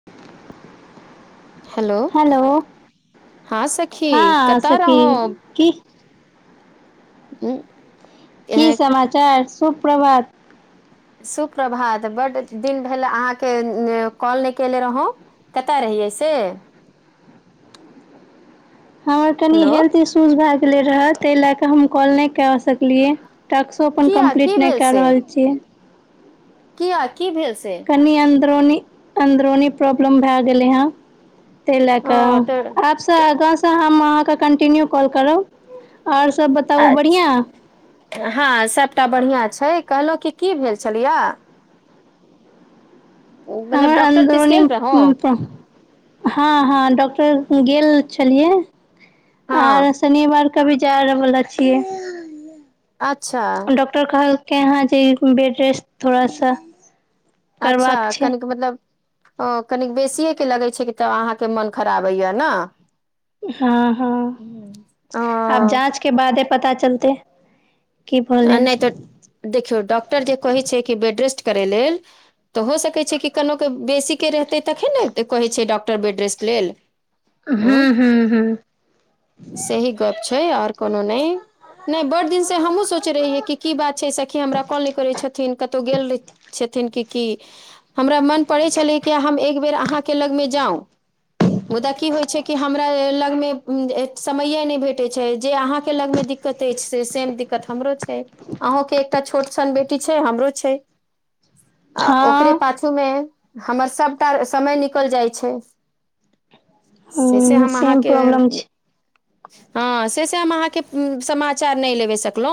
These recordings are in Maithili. [unintelligible] हेलो हँ सखी हँ कतऽ सखी रहौ की ई की समाचार सुुप्रभात सुप्रभात बड्ड दिन भेल अहाँके कॉल नहि कयने रहौँ कतय रहियै से हमर कनी हेलो हेल्थ इश्यूज भए गेले रह तै लए क हम कॉल नहि क सक लिए टास्को अपन किया की कम्प्लीट नहि भेल कए से रहल छियै किया की भेल से कनी अंन्दरोनी अन्दरोनी प्रॉब्लम भए गेले हे ताहि लएक ओ तऽ आबसँ आगासँ हम अहाँके कन्टिन्यू कॉल करब ओर सब बताबु बढ़िया अच्छा हँ सभटा बढ़िया छै कहलहुँ कि की भेल छल य मतलब हमर डॉक्टर दिस अन्दुरनी गेल रहौ हँ हँ डॉक्टर गेल छलियै आर हँ शनिवार क भी जा बाला छियै अच्छा डॉक्टर कहलकै हंँ जे बेड रेस्ट थोड़ा सा अच्छा करबाक छै कनिक मतलब ओ कनिक बेसिएके लगै छै तऽ अहाँके मन खराब हएय न हँ हँ आब ओ जाँच के बादे पता चलते आ नहि त देखियौ डॉक्टर जे कहै छै कि बेड रेस्ट करै लेल तऽ हो सकैत छै कि कनोक बेसीके रहतै तखे ने कहै छै डॉक्टर बेड रेस्ट लेल हू आँ हू ह सही गप छै आर कोनो नहि नहि ब दिन से हमहु सोच सोच रहि कि की बात छै सखि हमरा कॉल नहि करै छथिन कतहु गेल रहै छथिन कि की हमरा मन पड़ै छलै कि हम एक बेर अहाँके लगमे जाउ मुदा की होइ छै कि हमरा लग मे समये नहि भेटे छै जे अहा के लग में दिक त से [unintelligible] हमरो छै अहूंँ के एकटा छोट छन बेटी छै हमरो छै आ ओकरे हँ पाछू मे हमर सभटा समय निकल जाइ छै से से हूँ हम सेम अहाँके प्रॉब्लम छै हँ से से हम अहाँके समाचार नहि लेबे सकलो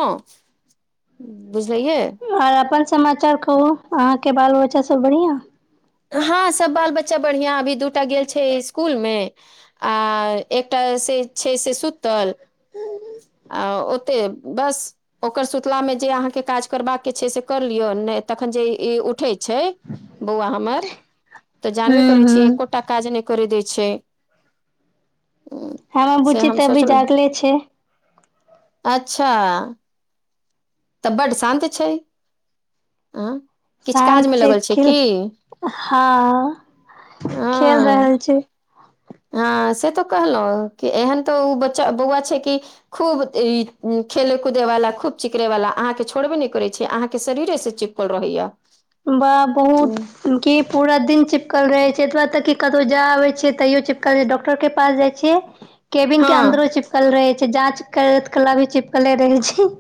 बुझलैए आर अपन समाचार कहु अहांँ के बाल बच्चा सब बढ़िया हँ सब बाल बच्चा बढ़ियां अभी दूटा गेल छै स्कुल मे आ एकटा से छै से सुतल ह आ ओते बस ओकर सुतलामे जे अहाँके काज करबाक छै से कर लियअ नहि तखन जे ई उठैत छै बौआ हमर तऽ जानबे हूँ करै छी हूँ एकोटा काज नहि करे दै छै ह हमर से बुच्ची हम तऽ अभी सोचलो जागले छै अच्छा तऽ बड शान्त छै आ किछ काज शान्त मे लगल छै खेल की हँ ह खेल रहल छै हँ से तो कहलहु कि एहन तऽ ओ बच्चा बौआ छै कि खूब ई खेलय कूदेवाला खूब चिकरेवाला अहाँके छोड़बे नहि करै छै अहाँके शरीरेसँ चिप ल रहैय [unintelligible] बा बहुत की पूरा दिन चिपकल रहे छै एतबा तक कतौ जाय आबे छे तैयो चिपकल रह छै डॉक्टर के पास जाइ छै केबिन के हँ अन्दरो चिपकल रहे छै जाँच करबैत कला भी चिपकले रहे छै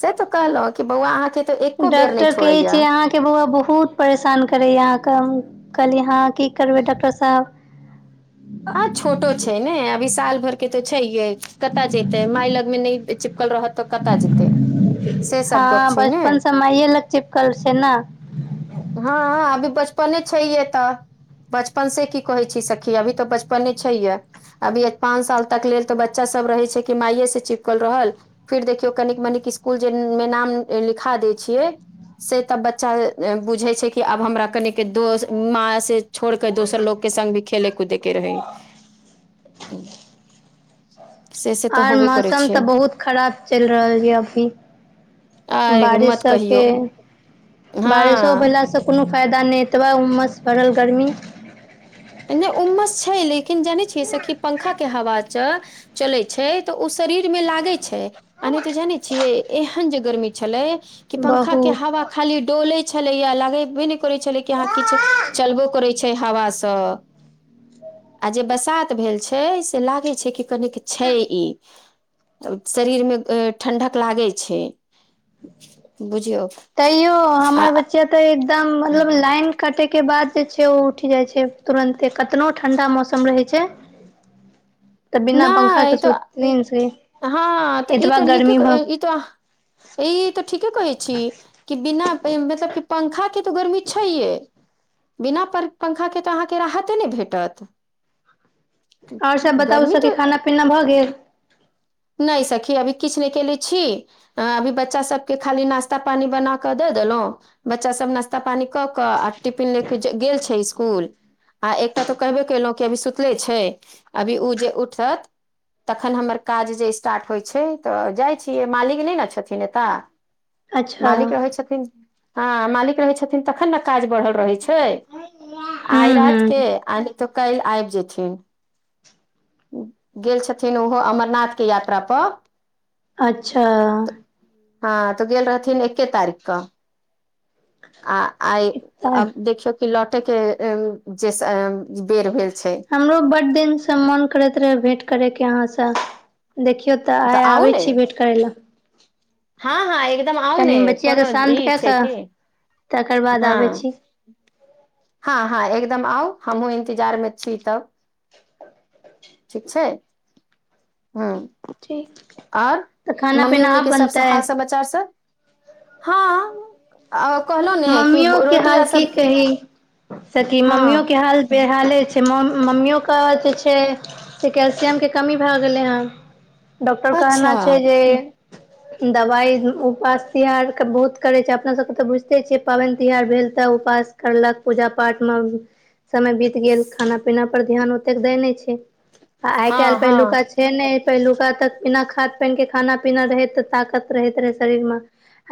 से तऽ कहलहु कि बौआ अहाँके तऽ एको बेर नहि डॉक्टर कहै छोड़ैया छ अहाँ के बौआ बहुत परेशान करे य आहाँके कहलिय हाँ की करबे डॉक्टर साहेब हँ छोटो छै ने अभी साल भर के त छै य कतय जेते मााय लग मे नहि चिपकल रहत तऽ कतय जेतै हँ बचपन से माइय लग चिपकल छै न हँ ह अभी बचपने छै ये तऽ बचपन से की कहे छी सखी अभी तऽ बच पर नहि छै ये अभी पाँच साल तक लेल तऽ बच्चा सब रहे छै कि माइे से चिपकल रहल फिर देखियौ कनिक मनिक स्कुल जे मे नाम लिखा दै छियै से तऽ बच्चा बुझैत छै कि आब हमरा कनिक दोस्त माँ से छोड़ के दोसर लोग के संग भी खेले कूदे के रहै त आर मौसम तऽ बहुत खराब चलि रहल य अभी आय बारिश मत सबके कहियौ बारिशो हँ भेला सभ कोनो फायदा नहि एतबा उमस परल गर्मी इन्ने उममस छै लेकिन जानै छियै सखि पंखा के हवा च चलैत छै तऽ ओ शरीर मे लागै छै अ नहि तो जानै छियै एहन जे गर्मी छलै कि पंखा के बहुत हवा खाली डोले छलेया लागेबे नहि करे छले कि आहाँ किछु चलबो करै छै हवा से आ जे बसात भेल छै से लागै छै कि कनेिक छै ई शरीर मे ठण्ढक लागे छै बुझियौ तैयो आ हमर बच्चा तऽ एकदम मतलब लाइन कटेके बाद जे छै ओ उठि जाइ छै तुरन्ते कतनो ठण्डा मौसम रहे छै तऽ बिना पंखाक के नहि तऽ सुते [unintelligible] ने छै [unintelligible] हँ त ई त नीके ई त ई त ठीके कहै छी कि बिना मतलब की त पंखा के तो गर्मी छैहे बिना पंखा के तऽ अहाँके राहते नहि भेटत आओर सब बताउ गर्मी सखी तऽ खाना पीना भऽ गेल नहि सखी अभी किछु नहि केने छी अ अभी बच्चा सभके खाली नास्ता पानी बना कऽ दऽ देलहुँ बच्चा सब नास्ता पानी कऽ कऽ आ टिफिन ले क गेल छै स्कुल आ एक टा ऽ कहबे कलहुं कि अभी सुतले छै अभी ओ जे उठत तखन हमर काज जे स्टार्ट होइत छै तऽ जाय छियै मालिक नहि न छथिन एतय अच्छा मालिक रहै छथिन हँ मालिक रहैत छथिन तखन न काज बढ़ल रहैत छै हूँ आइ हूँ राति के आ नै तऽ काल्ह आऐब जेथिन गेल छथिन ओहो अमरनाथ के यात्रा पर अच्छा हँ तऽ गेल रहथिन एके तारीख कऽ आ आइ तऽ अब देखियौ कि लौटे के जे बेर भेल छै हमरो बड दिन से मन करैत रहे भेंट करे के अहाँ से देखियो तऽ आय आउ आबै ने छी भेट करै लए हँ हँ एकदम आउ ने कनि बचियाके कोनो ई शान्त कए छै कऽ कि तकर बाद आबै छी हँ हँ एकदम आउ हमहुँ इंन्तजार मे छी तब ठीक छै हँ ठीक आओर तऽ खाना मम्मी पीना उम्मी आब के सबसँ बनतै हाल समचार सब हँ आ कहलहु ने कि रोटी आर सभ सखि मम्मियो के हाल बेहाले छै मम्मियो के जे छै से कैल्सियम के कमी भए गेलै ह डॉक्टर अच्छा कहने छै जे दवाइ उपास तिहार बहुत करै छै अपना सबके तऽ बुझिते छियै पाबनि तिहार भेल तऽ उपास करलक पूजा पाठ मे समय बीत गेल खाना पीना पर ध्यान ओतेक दै नहि छै आ आय हँ काल्हि पहिलुका हँ छै नहि पहिलुका तक बिना खाद पानि के खाना पीना रहै तऽ ताकत रहैत रहे शरीर मे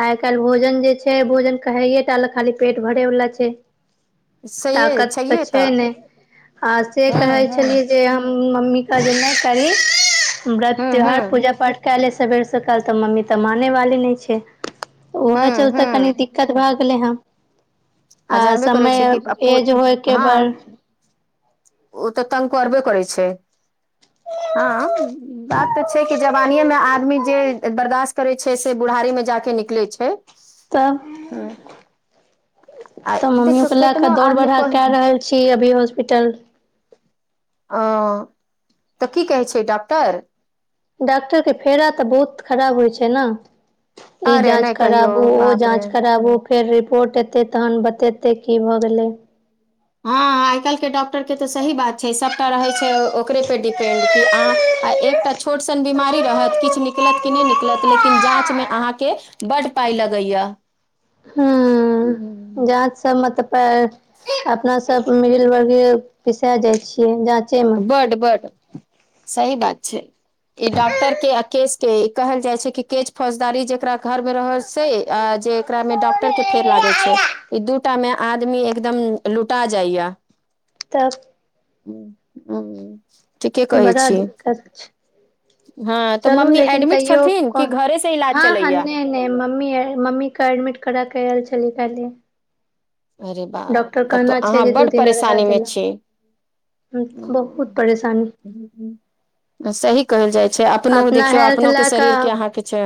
आय काल्हि भोजन जे छै भोजन कहैे टाल खाली पेट भरेवला छै सहिए ताकत तऽ छैहे छै ने आ से हँ कहै हँ छलियै जे हम मम्मीे कहि जे करहि बरत हूँ त्योहार हूँ पुजा पाठ केएले सबेर सकाल तऽ मम्मी तऽ मानै वाली नहि छै उएह हूँ चलते कनि हूँ दिक्कत भए गेले हँ आ जानबे करै छै समय कि पप्पू एज होयके बर हँ ओ तऽ तंग करबे करै छै ह [unintelligible] हँ बात ते छै कि जवानी में आदमी जे बर्दाश्त करे छै से बुढ़ारी में जाक नीक कले छै तब ह आ तब मम्मियो देखियौ के ले केतनो क दौड़ आदमी बरहा कह कै रहल छी अभी हॉस्पिटल अ तऽ की कहै छै डॉक्टर डॉक्टर के फेरा तऽ बहुत खराब होय छै ने ई अरे जाँच नहि कहियौ कराबू ओ बाप रे जाँच कराबू फेर रिपोर्ट एतै तहन बतेतै की भऽ गेलै हँ आय काल्हिके डॉक्टरके तऽ सही बात छै सभटा रहैत छै ओकरेपे डिपेंड कि आँ आ एकटा छोट सन बीमारी रहत किछु निकलत कि नहि निकलत लेकिन जाँच मे अहाँ के बड पाय लगैया हुँ हम्म, जाच सब मतलपे अपना सब मिल वर्ग पिसा जाय छियै जाच बड बड सही बात छै ई डॉक्टर के आ केस के कहल जाई छै कि केस फौजदारी जेकरा घर मे रहल छै जे एकरा में डॉक्टर के फेर लागै छै ई दूटा मे आदमी एकदम लुटा जाइया तब ह ह [unintelligible] बड़ा दिक्कत छै हँ तऽ चलू मम्मी लेकिन एडमिट तैयो छथिन कि कोन घरे से इलाज हँ ह चलैया नहि नहि मम्मी मम्मी के एडमिट करा के आयल छलै के अरे बा डॉक्टर तब तऽ कहना छै अहाँ जे दू बड्ड दिना परेशानी रहय मे छी देलक बहुत परेशानी ह ह [unintelligible] सही कहल जाई छै अपनो अपना देखियौ हेल्थ अपनोके लए कऽ शरीरके अहाँके छै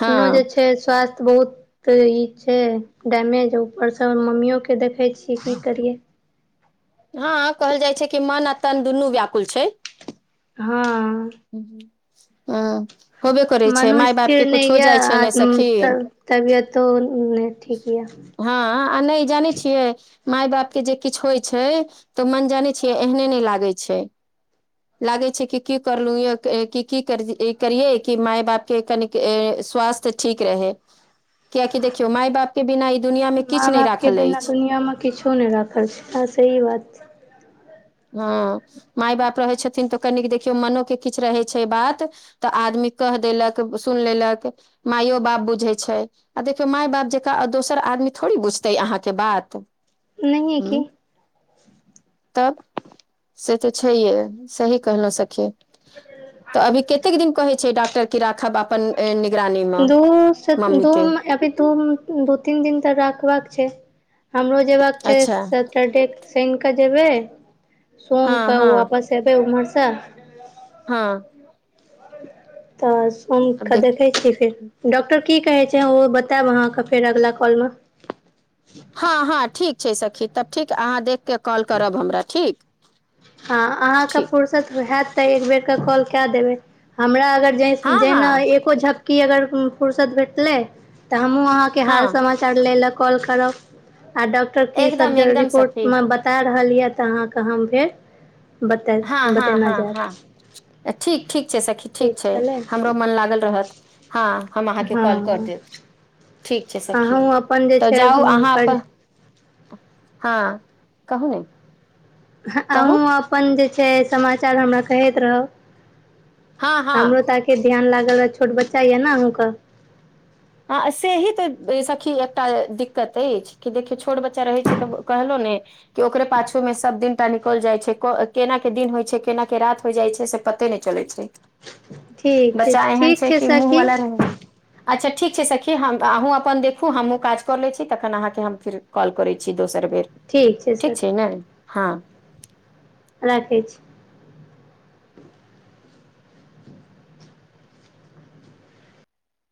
हँ जे छै स्वास्थ्य बहुत तऽ ई छै डैमेज ऊपरसँ मम्मियो के देखैत छियै की करियै हँ कहल जाई छै कि मन आर तन दुनू व्याकुल छै हँ हँ हुँ मनो स्थिर नहि ने यऽ सखी तबियतो नहि ठीक यऽ हँ आ नहि जानै छियै माय बाप के जे किछ होइ छै तऽ मन जानै छियै एहने नहि लागै छै लागे छै कि की करलू य क की कर करिये कि माय बाप के कनिक स्वास्थ्य ठीक रहै कियाकि देखियौ माय बापके बिना ई दुनिआँमे माँ किछ नहि बाप के राखल बिना अछि दुनिया मे किछो नहि राखल छै ह सही बात हँ माय बाप रहै छथिन तऽ कनिक देखियौ मनोके किछ रहै छै बात तऽ आदमी कह देलक सुन लेलक मायो बाप बुझै छै आ देखियौ माय बाप जेका दोसर आदमी थोड़ी बुझतै अहाँके बात नहिय ह की तब से तऽ छैहे सही कहलहुँ सखी तऽ अभी कतेक दिन कहै छै डॉक्टर की राखब अपन निगरानी मे दू स मम्मी के धूम अ धूम [unintelligible] दू तीन दिन तऽ राखबाक छै हमरो जेबाका अच्छा छै देख सुनि कें जेबै सोम हँ क हँ वापस एबै उमहरसँ हँ तऽ आब सोमके देख देखै छीय फेर डॉक्टर की कहै छै ओ बतायब अहाँके फेर अगला कॉलमे हँ हँ ठीक छै सखी तब ठीक अहाँ देख कऽ कॉल करब हमरा ठीक हँ अहाँके ठीक फुरसत हैत तऽ एक बेेरके कॉल कए देबै हमरा अगर जेह हँ जेहिना हँ एको झपकी अगर फूर्सत भेटलै तऽ हमहुँ अहाँ के हाल हँ समाचार ले ल कॉल करब आ डॉक्टर की सब एकदम एकदम रिपोर्ट सखी म बत ता रहल यऽ तऽ अहाँकेँ हम फेर बता हँ हँ बतेना हँ जायब हँ ठीक ठीक छै सखी ठीक छै हमरो मन लागल रहत हँ हम अहाँके कॉल कर हँ देब ठीक छै सखी अहूँ अपन जे तऽ छै जाउ अहाँ अपन हँ कहू ने कहू अहूँ अपन जे छै समाचार हमरा कहैत हँ रहब हँ हमरो तऽ आखिर ध्यान लागल रह छोट बच्चा यऽ ने अहूँके आ सेही तऽ सखी एकटा दिक्कत अछि कि देखियौ छोट बच्चा रहैत छै तऽ कहलहु ने क ओकरे पाछू में सब दिन टनकल निकल जाइ छै केना के दिन होइ छै केना के रात होइ जाइ छै से पते नहि चलै छै ठीक छै बच्चा एहन ठीक छै कि मुँह सखी वाला रह अच्छा ठीक छै सखी हम अहूँ अपन देखू हमहूँ काज कऽ लै छी तखन अहाँकेँ हम फेर कॉल करै छी दोसर बेर ठीक छै ने हँ राखै छी